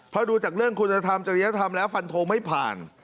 เพราะดูจากเรื่องคุณธรรมจริยธรรมแล้วฟันโทไม่ผ่าน